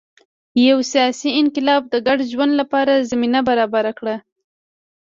یو سیاسي انقلاب د ګډ ژوند لپاره زمینه برابره کړه.